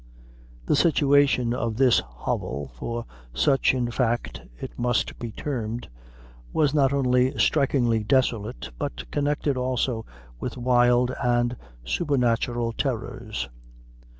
The situation of this hovel, for such, in fact, it must be termed, was not only strikingly desolate, but connected also with wild and supernatural terrors.